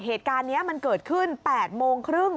เหตุการณ์นี้มันเกิดขึ้น๘โมงครึ่ง